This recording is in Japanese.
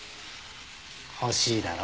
欲しいだろ？